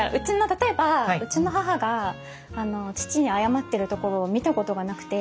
例えばうちの母が父に謝ってるところを見たことがなくて。